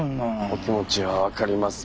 お気持ちは分かります。